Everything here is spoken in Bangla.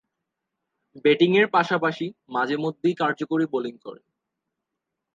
ব্যাটিংয়ের পাশাপাশি মাঝে-মধ্যেই কার্যকরী বোলিং করেন।